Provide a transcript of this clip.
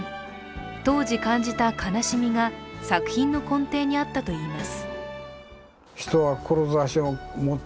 当時感じた悲しみが作品の根底にあったといいます。